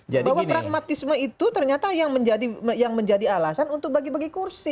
bahwa pragmatisme itu ternyata yang menjadi alasan untuk bagi bagi kursi